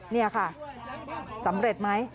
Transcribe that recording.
นี่ค่ะสำเร็จไหม